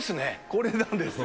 これなんですよ。